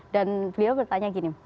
dan beliau bertanya gini